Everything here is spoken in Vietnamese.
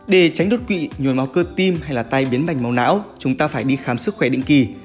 để tránh đột quỵ nhuồn máu cơ tim hay là tay biến mảnh máu não chúng ta phải đi khám sức khỏe định kỳ